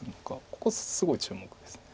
ここすごい注目です。